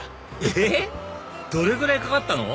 えっ⁉どれぐらいかかったの？